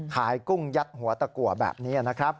กุ้งยัดหัวตะกัวแบบนี้นะครับ